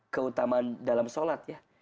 keutamaan dalam sholat ya